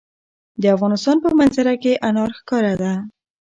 د افغانستان په منظره کې انار ښکاره ده.